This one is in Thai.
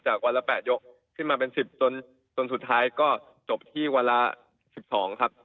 จากวันละแปดยกขึ้นมาเป็นสิบจนจนสุดท้ายก็จบที่วันละสิบสองครับ